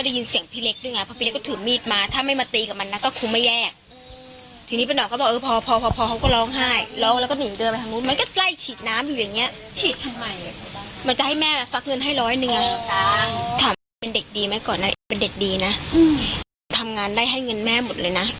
ถามเป็นเด็กดีไหมก่อนนะเป็นเด็กดีนะทำงานได้ให้เงินแม่หมดเลยนะ